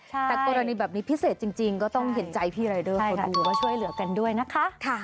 แต่กรณีแบบนี้พิเศษจริงก็ต้องเห็นใจพี่รายเดอร์คอยดูว่าช่วยเหลือกันด้วยนะคะ